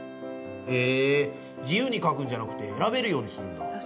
へえ、自由に書くんじゃなくて選べるようにするんだ。